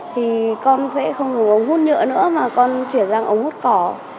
thì con sẽ không dùng ống hút nhựa nữa mà con chuyển sang ống hút cỏ